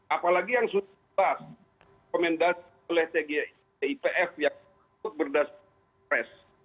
apalagi yang sudah dikomendasikan oleh tgipf yang berdasarkan pres